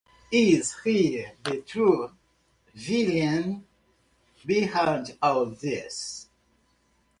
Is he the true villain behind all this?